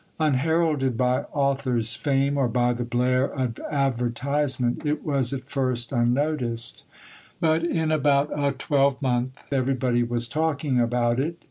Unheralded by author's fame or by the blare of advertisement, it was at first unnoticed; but in about a twelvemonth everybody was talking about it.